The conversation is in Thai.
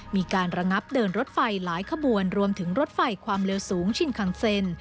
มีการระงับเดินรถไฟหลายขบวนรวมถึงรถไฟความเร็วสูงชินคังเซน